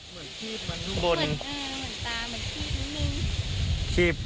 เหมือนตาเหมือนขี้บ